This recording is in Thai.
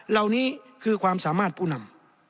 เหล่านี้คือความสามารถผู้นำ